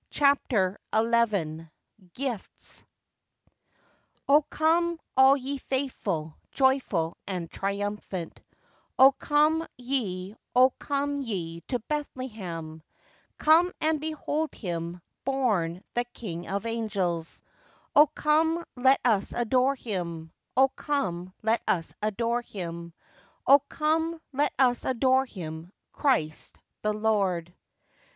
CHAPTER XI Gifts "Oh come, all ye faithful, joyful and triumphant; Oh come ye, oh come ye to Bethlehem; Come and behold Him born the King of angels; Oh come, let us adore Him, Oh come, let us adore Him, Oh come, let us adore Him, Christ the Lord."